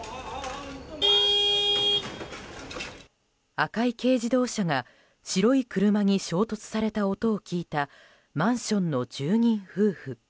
赤い軽自動車が白い車に衝突された音を聞いたマンションの住人夫婦。